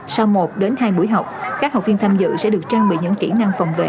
sau một đến hai buổi học các học viên tham dự sẽ được trang bị những kỹ năng phòng vệ